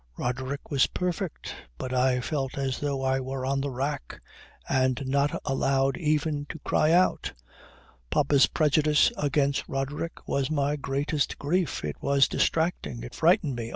Roderick was perfect, but I felt as though I were on the rack and not allowed even to cry out. Papa's prejudice against Roderick was my greatest grief. It was distracting. It frightened me.